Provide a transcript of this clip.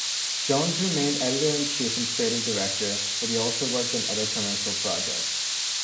Jones remained editor-in-chief and creative director, but he also worked on other commercial projects.